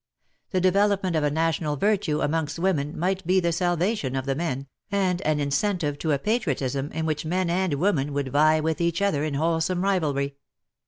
The develop ment of a national virtue amongst women might be the salvation of the men, and an incentive to a patriotism in which men and women would vie with each other in wholesome rivalry.